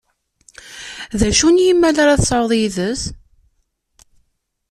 D acu n yimmal ara tesɛuḍ yid-s?